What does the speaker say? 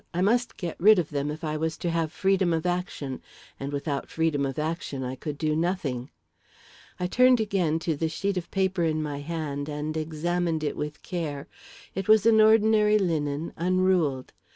I must get rid of them, if I was to have freedom of action and without freedom of action I could do nothing. I turned again to the sheet of paper in my hand and examined it with care. It was an ordinary linen, unruled.